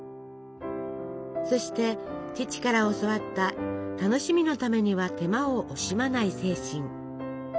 そして父から教わった楽しみのためには手間を惜しまない精神。